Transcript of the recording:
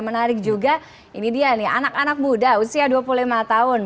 menarik juga ini dia nih anak anak muda usia dua puluh lima tahun